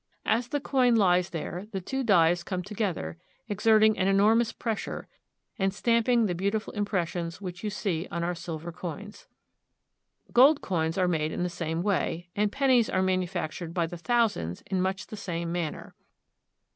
As the coin lies there the two dies come together, exerting an enormous pres sure, and stamping the beautiful impressions which you see on our silver coins. Gold coins are made in the same way, and pennies are manufactured by the thousands in much the same manner.